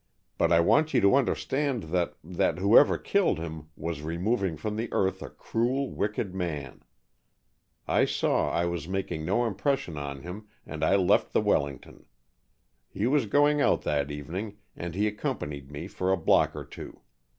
"But I want you to understand that that whoever killed him was removing from the earth a cruel, wicked man. I saw I was making no impression on him and I left the Wellington. He was going out that evening, and he accompanied me for a block or two.